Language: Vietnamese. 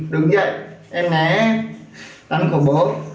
đứng dậy em né đánh của bố